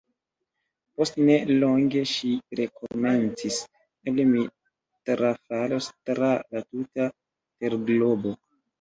Post ne longe ŝi rekomencis: "Eble mi trafalos tra la tuta terglobo! »